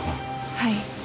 はい。